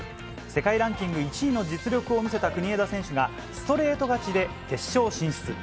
世界ランキング１位の実力を見せた国枝選手が、ストレート勝ちで決勝進出。